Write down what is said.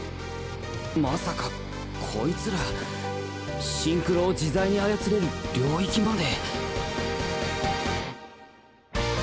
まさかコイツらシンクロを自在に操れる領域まで。